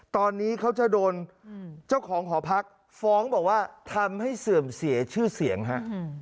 ตอนนี้เขาจะโดนเจ้าของหอพักฟ้องบอกว่าทำให้เสื่อมเสียชื่อเสียงฮะ